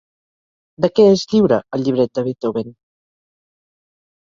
De què és lliure el llibret de Beethoven?